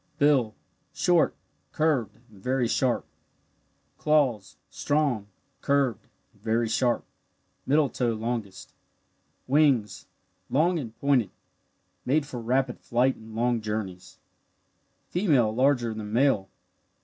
Bill short, curved, and very sharp. Claws strong, curved, and very sharp, middle toe longest. Wings long and pointed made for rapid flight and long journeys. Female larger than male.